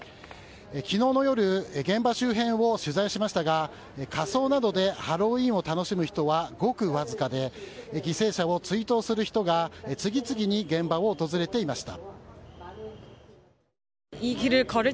昨日の夜現場周辺を取材しましたが仮装などでハロウィーンを楽しむ人はごくわずかで犠牲者を追悼する人が次々に現場を訪れていました。